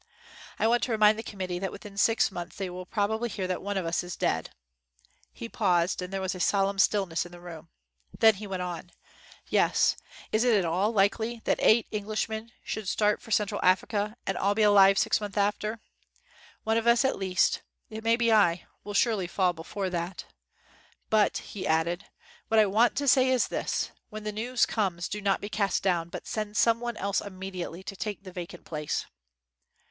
I want to remind the committee that within six months they will probably hear that one of us is dead." He paused, and there was a solemn stillness in the room. Then, he went on: "Yes; is it at all likely that eight Englishmen should start for Cen tral Africa, and all be alive six months af ter % One of us, at least — it may be I — will surely fall before that. But," he added, "what I want to say is this; when the news comes, do not be cast down, but send some one else immediately to take the vacant place."